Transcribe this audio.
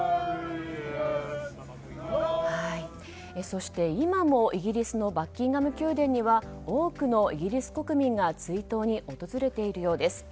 そして、今もイギリスのバッキンガム宮殿には多くのイギリス国民が追悼に訪れているようです。